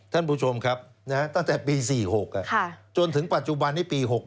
ท่านผู้ชมครับตั้งแต่ปี๔๖จนถึงปัจจุบันนี้ปี๖๖